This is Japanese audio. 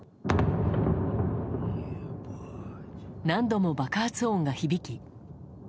何度も爆発音が響き。